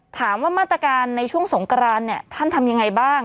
ถามว่ามาตรการในช่วงสงกรานท่านทำอย่างไรบ้าง